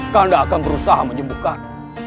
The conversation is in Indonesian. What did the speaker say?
kanda akan berusaha menyembuhkan